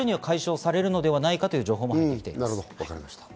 今日の午前中には解消されるのではないかという情報も入ってきています。